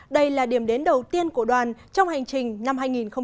đây là điểm đến đầu tiên của đoàn trong hành trình năm hai nghìn một mươi chín